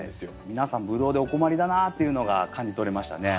皆さんブドウでお困りだなというのが感じ取れましたね。